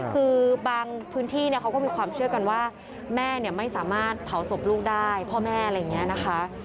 คือบางพื้นที่เขาก็มีความเชื่อกันว่าแม่ไม่สามารถเผาศพลูกได้พ่อแม่อะไรอย่างนี้นะคะ